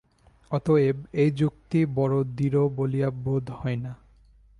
অতএব এই যুক্তি বড় দৃঢ় বলিয়া বোধ হয় না।